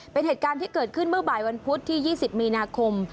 เป็นเหตุการณ์ที่เกิดขึ้นเมื่อบ่ายวันพุธที่๒๐มีนาคม